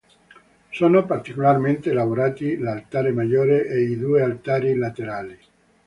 Sono particolarmente elaborati l'altare maggiore e i due altari laterali.